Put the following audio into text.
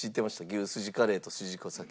牛すじカレーとすじこさけ。